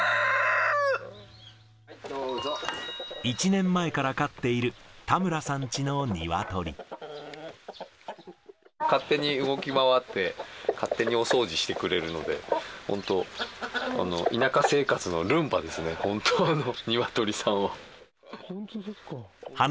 １年前から飼っている、勝手に動き回って、勝手にお掃除してくれるので、本当、田舎生活のルンバですね、本当の、鶏さんは。